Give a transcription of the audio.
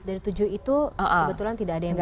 dari tujuh itu kebetulan tidak ada yang